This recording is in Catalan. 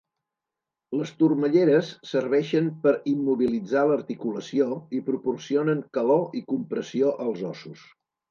Les turmelleres serveixen per immobilitzar l'articulació i proporcionen calor i compressió als ossos.